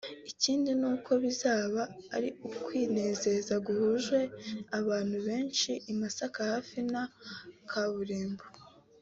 Ikindi ni uko bizaba ari ukwinezeza guhuje abantu benshi i Masaka hafi na kaburimbo